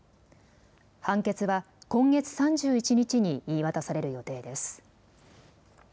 判決は今月３１日に言い渡される予定です。